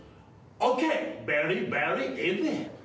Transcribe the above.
ＯＫ！